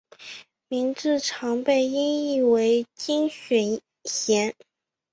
名字常被音译为金雪贤。